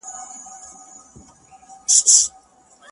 د پښتنو ماحول دی دلته تهمتوته ډېر دي.